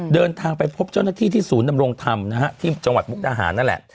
เดินทางไปพบเจ้าหน้าที่ที่ศูนย์ดำรงธรรมนะฮะที่จังหวัดมุกดาหารนั่นแหละ